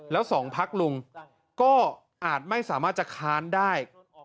แล้วสองพักลุงก็อาจไม่สามารถจะค้านได้